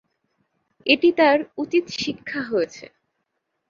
এটি তার উচিত শিক্ষা হয়েছে।